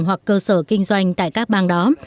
hoặc cơ sở kinh doanh tại các bang đó